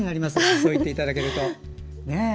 そう言っていただけると。